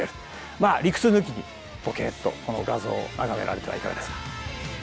まあ理屈抜きにぼけっとこの画像を眺められてはいかがですか？